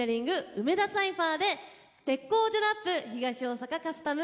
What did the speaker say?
梅田サイファーで「鉄工所ラップ東大阪カスタム」